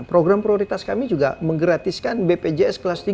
program prioritas kami juga menggratiskan bpjs kelas tiga